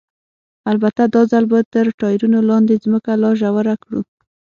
البته دا ځل به تر ټایرونو لاندې ځمکه لا ژوره کړو.